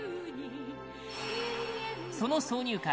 その挿入歌